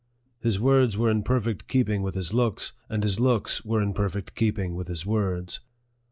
His words were in perfect keeping with his looks, and his looks were in perfect keeping with his words.